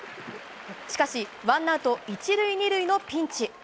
しかし、ワンアウト１塁２塁のピンチ。